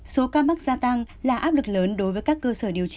số ca mắc gia tăng là áp lực lớn đối với các cơ sở điều trị gây quá tải